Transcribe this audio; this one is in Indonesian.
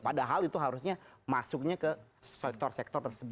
padahal itu harusnya masuknya ke sektor sektor tersebut